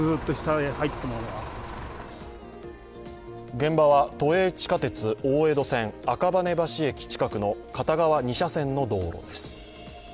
現場は都営地下鉄大江戸線赤羽橋駅近くの片側２車線の道路です。